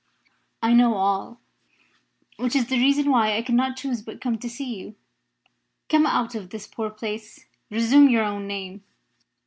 "I know all, which is the reason why I cannot choose but come to see you. Come out of this poor place; resume your own name.